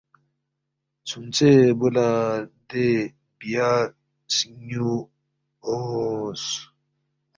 ژُھونژے بُو لہ دے بیہ سن٘یُو اونگس